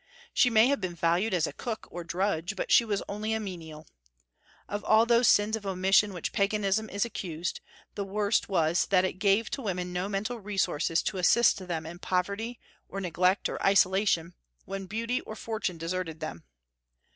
She may have been valued as a cook or drudge, but she was only a menial. Of all those sins of omission of which Paganism is accused, the worst was that it gave to women no mental resources to assist them in poverty, or neglect, or isolation, when beauty or fortune deserted them.